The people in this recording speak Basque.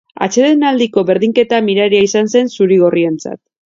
Atsedenaldiko berdinketa miraria izan zen zuri-gorrientzat.